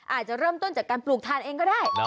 อาจจะเริ่มต้นจากการปลูกทานเองก็ได้